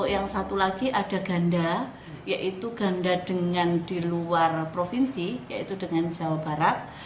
yang satu lagi ada ganda yaitu ganda dengan di luar provinsi yaitu dengan jawa barat